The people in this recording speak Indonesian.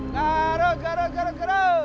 garut garut garut